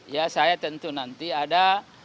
ya saya tentu nanti ada